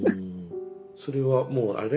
それはもうあれ？